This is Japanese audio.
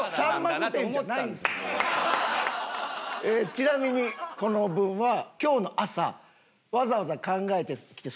ちなみにこの文は今日の朝わざわざ考えてきて。